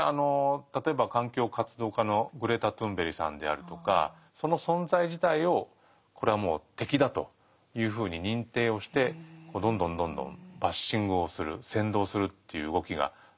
例えば環境活動家のグレタ・トゥーンベリさんであるとかその存在自体をこれはもう敵だというふうに認定をしてどんどんどんどんバッシングをする扇動するっていう動きが出てくる。